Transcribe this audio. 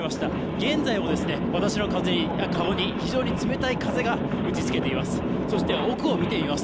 現在も私の顔に非常に冷たい風が打ちつけています。